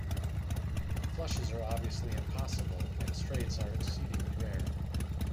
Flushes are obviously impossible, and straights are exceedingly rare.